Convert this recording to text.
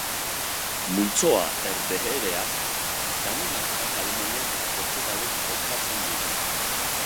Multzoa Herbehereak, Danimarkak, Alemaniak eta Portugalek osatzen dute.